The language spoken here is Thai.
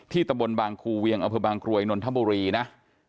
ที่ตะบลบางคูเวียงอพบางกรวยนนทบุรีนะ